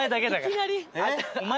いきなり。